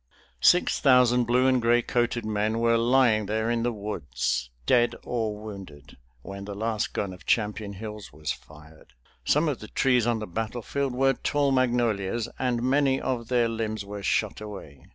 Six thousand blue and gray coated men were lying there in the woods, dead or wounded, when the last gun of Champion Hills was fired. Some of the trees on the battlefield were tall magnolias, and many of their limbs were shot away.